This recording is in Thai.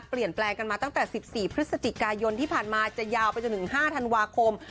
เปลี่ยนแปลงกันมาตั้งแต่๑๔พฤศจิกายนที่ผ่านมาจะยาวไปจนถึง๕ธันวาคม